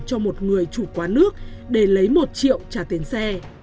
cho một người chủ quán nước để lấy một triệu trả tiền xe